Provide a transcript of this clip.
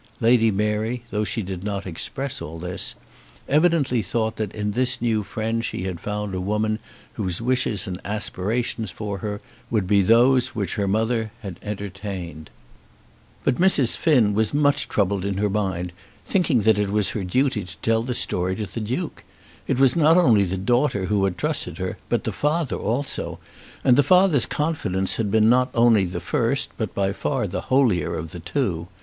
Lady Mary, though she did not express all this, evidently thought that in this new friend she had found a woman whose wishes and aspirations for her would be those which her mother had entertained. But Mrs. Finn was much troubled in her mind, thinking that it was her duty to tell the story to the Duke. It was not only the daughter who had trusted her, but the father also; and the father's confidence had been not only the first but by far the holier of the two.